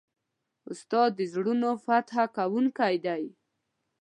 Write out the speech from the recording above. استاد د زړونو فتح کوونکی دی.